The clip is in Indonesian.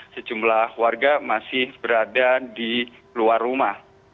sejumlah warga masih berada di luar rumah